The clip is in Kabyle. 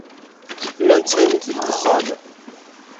Llant ttɣimint deg wexxam.